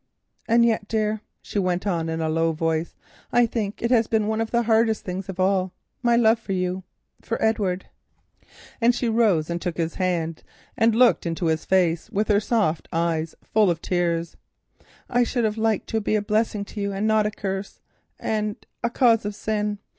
"And yet, dear," she went on in a low voice, "I think it has been one of the hardest things of all—my love for you. For, Edward," and she rose and took his hand and looked into his face with her soft full eyes full of tears, "I should have liked to be a blessing to you, and not a curse, and—and—a cause of sin.